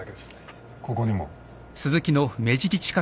ここにも？